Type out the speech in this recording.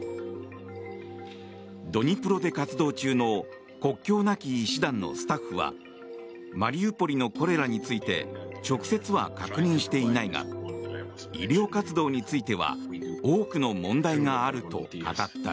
ドニプロで活動中の国境なき医師団のスタッフはマリウポリのコレラについて直接は確認していないが医療活動については多くの問題があると語った。